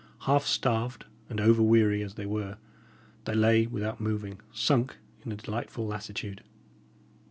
Half starved and over weary as they were, they lay without moving, sunk in a delightful lassitude.